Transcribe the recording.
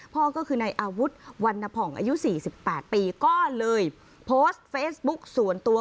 พ่อก็คือในอาวุธวันนผ่องอายุ๔๘ปีก็เลยโพสต์เฟซบุ๊กส่วนตัว